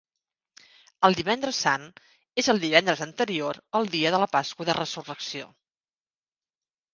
El Divendres Sant és el divendres anterior al dia de la Pasqua de Resurrecció.